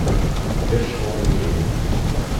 Ulac ɣur-i idrimen.